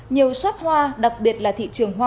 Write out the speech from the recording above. nhiều shop hoa đặc biệt là thị trường hoa